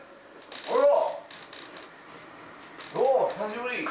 あら！